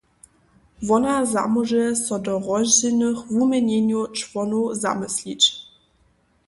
Wona zamóže so do rozdźělnych wuměnjenjow čłonow zamyslić.